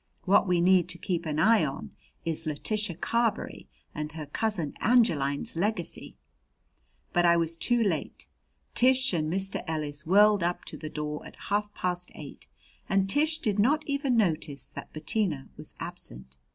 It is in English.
What we need to keep an eye on is Letitia Carberry and her Cousin Angeline's legacy." But I was too late. Tish and Mr. Ellis whirled up to the door at half past eight and Tish did not even notice that Bettina was absent.